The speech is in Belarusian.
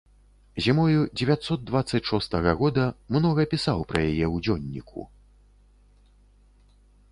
Зімою дзевяцьсот дваццаць шостага года многа пісаў пра яе ў дзённіку.